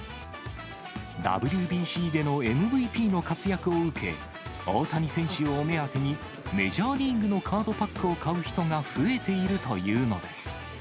ＷＢＣでのＭＶＰの活躍を受け、大谷選手を目当てに、メジャーリーグのカードパックを買う人が増えているというのです。